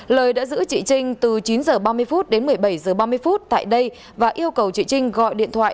lời đã giữ chị trinh từ chín h ba mươi đến một mươi bảy h ba mươi tại đây và yêu cầu chị trinh gọi điện thoại